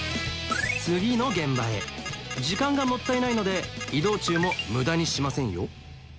次の現場へ時間がもったいないので移動中も無駄にしませんよ